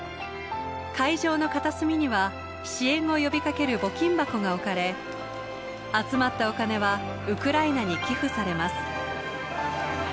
会場の片隅には支援を呼びかける募金箱が置かれ集まったお金はウクライナに寄付されます。